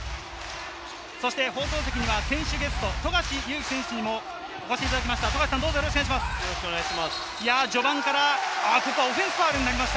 そして放送席には選手ゲスト、富樫勇樹選手にもお越しいただきました、お願いします。